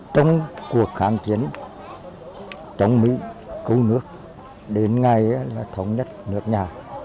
trong cuộc kháng chiến trong mỹ cầu nước đến ngày đó là thống nhất nước nhà